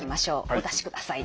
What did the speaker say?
お出しください。